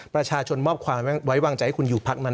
ประชาชนมอบความไว้วางใจให้คุณอยู่พักนั้น